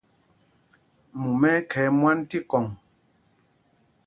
Mumá ɛ́ khɛɛ mwâ tí kɔŋ.